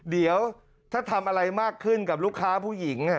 เดี๋ยวถ้าทำอะไรมากขึ้นกับลูกค้าผู้หญิง